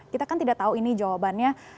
kita kan tidak tahu ini jawabannya